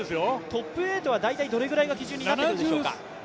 トップ８はどれぐらいが基準になってくるでしょうか。